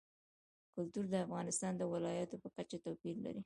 کلتور د افغانستان د ولایاتو په کچه توپیر لري.